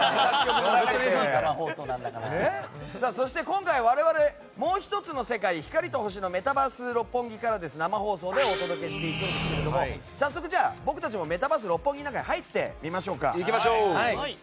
そして今回、我々もう１つの世界光と星のメタバース六本木から生放送でお届けしていくんですが僕たちもメタバース六本木の中に入ってみましょうか。